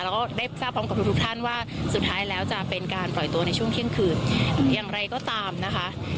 แล้วก็ได้ทราบพร้อมกับทุกท่านว่าสุดท้ายแล้วจะเป็นการปล่อยตัวในช่วงเที่ยงคืนอย่างไรก็ตามนะคะ